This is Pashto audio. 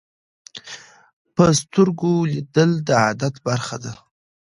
په سترګو لیدل د عادت برخه ده